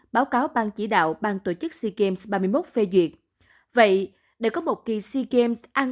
báo cáo bang chỉ đạo bang tổ chức sea games ba mươi một phê duyệt vậy để có một kỳ sea games an